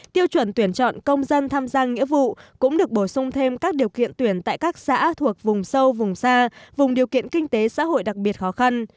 tiêu chuẩn tuyển chọn công dân tham gia nghĩa vụ cũng được bổ sung thêm các điều kiện tuyển tại các xã thuộc vùng sâu vùng xa vùng điều kiện kinh tế xã hội đặc biệt khó khăn